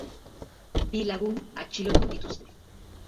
Bi lagun atxilotu dituzte.